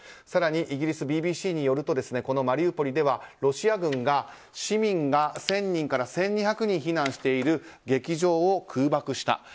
更にイギリスＢＢＣによるとマリウポリではロシア軍が市民が１０００人から１２００人避難している劇場を空爆した。